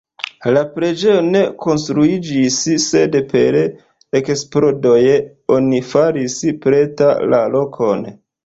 La preĝejo ne konstruiĝis, sed per eksplodoj oni faris preta la lokon.